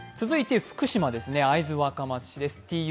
続いて福島ですね、会津若松市です